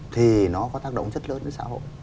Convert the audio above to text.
thì nó có tác động rất lớn đến xã hội